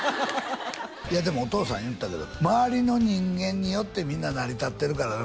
いやでもお父さん言ったけど周りの人間によってみんな成り立ってるからね